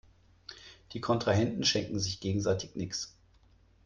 Die Kontrahenten schenken sich gegenseitig nichts.